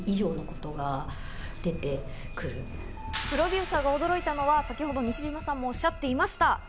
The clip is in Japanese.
プロデューサーが驚いたのは、先ほど西島さんもおっしゃっていました